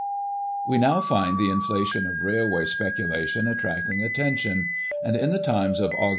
We now find the inflation of Railway speculation attracting attention ; and, in the Times of Aug.